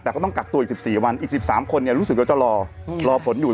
แต่ก็ต้องกักตัวอีก๑๔วันอีก๑๓คนรู้สึกว่าจะรอรอผลอยู่